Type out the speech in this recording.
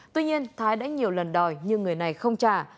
tuy nhiên thái đã nhiều lần đòi nhưng người này không trả